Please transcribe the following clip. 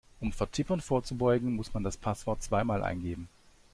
Um Vertippern vorzubeugen, muss man das Passwort zweimal eingeben.